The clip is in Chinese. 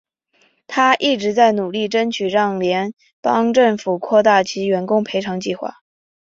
她一直在努力争取让联邦政府扩大其员工赔偿计划。